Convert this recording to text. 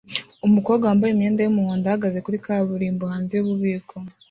umukobwa wambaye imyenda yumuhondo ahagaze kuri kaburimbo hanze yububiko